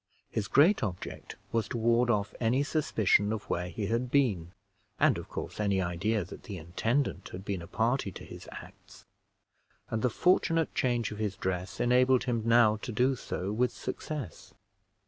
His great object was to ward off any suspicion of where he had been, and, of course, any idea that the intendant had been a party to his acts; and the fortunate change of his dress enabled him now to do so with success.